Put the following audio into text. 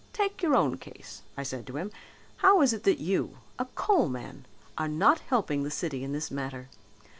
'Take your own case,' I said to him, 'how is it that you, a coal man, are not helping the city in this matter?